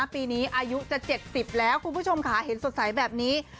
ปีนี้อายุจะ๗๐แล้วคุณผู้ชมค่ะเห็นสดใสแบบนี้